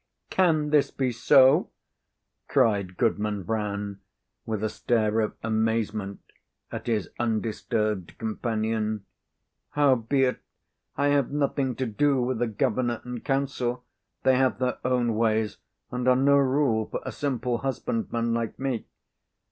"Can this be so?" cried Goodman Brown, with a stare of amazement at his undisturbed companion. "Howbeit, I have nothing to do with the governor and council; they have their own ways, and are no rule for a simple husbandman like me.